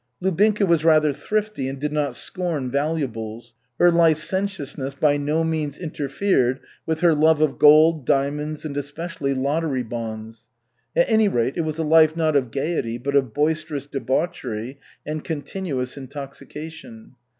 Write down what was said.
Lubinka was rather thrifty and did not scorn valuables. Her licentiousness by no means interfered with her love of gold, diamonds and especially lottery bonds. At any rate, it was a life not of gaiety, but of boisterous debauchery and continuous intoxication.